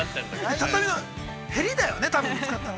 ◆畳の、へりだよね、多分、ぶつかったの。